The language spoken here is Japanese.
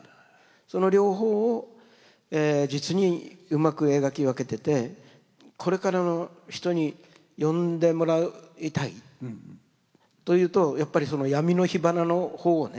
その両方を実にうまく描き分けててこれからの人に読んでもらいたいというとやっぱり闇の火花の方をね味わってもらいたい。